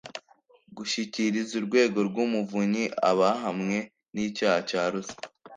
gushyikiriza Urwego rw'Umuvunyi abahamwe n'icyaha cya ruswa